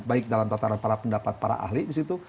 baik dalam tataran para pendapat para ahli di situ